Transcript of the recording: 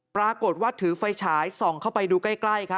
ปรากฏว่าถือไฟฉายส่องเข้าไปดูใกล้